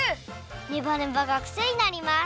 ネバネバがくせになります！